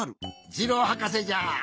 ジローはかせじゃ。